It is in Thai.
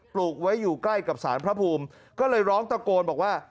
ปลูกไว้อยู่ใกล้กับสารพระภูมิก็เลยร้องตะโกนบอกว่า